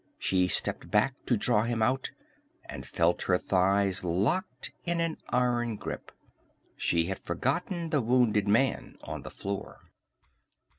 She stepped back to draw him out and felt her thighs locked in an iron grip. She had forgotten the wounded man on the floor.